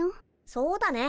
そうだね。